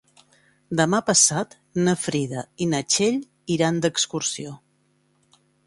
Demà passat na Frida i na Txell iran d'excursió.